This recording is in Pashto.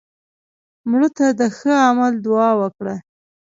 مړه ته د ښه عمل دعا وکړه